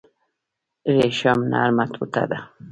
ریشم نرمه ټوټه ده